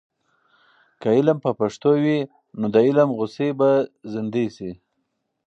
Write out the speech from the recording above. که علم په پښتو وي، نو د علم غوڅۍ به زندې سي.